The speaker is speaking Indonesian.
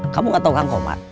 kamu gak tau kang komar